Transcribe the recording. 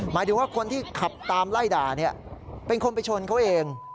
หมายถึงว่าคนที่ขับตามไล่ด่าเป็นคนไปชนเขาเอง